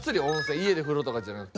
家で風呂とかじゃなくて。